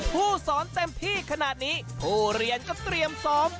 ผู้สอนเต็มที่ขนาดนี้ผู้เรียนก็เตรียมซ้อม